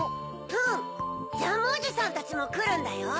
うんジャムおじさんたちもくるんだよ。